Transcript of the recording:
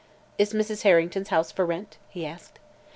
"Is Mrs. Harrington's house for rent?" he asked.